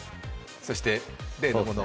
そして例のもの。